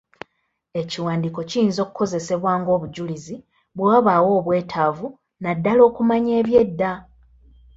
Ekiwandiiko kiyinza okukozesebwa ng'obujulizi bwe wabaawo obwetaavu naddala okumanya eby'edda.